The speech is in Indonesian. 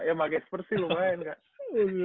yang pakai spurs sih lumayan kak